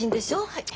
はい。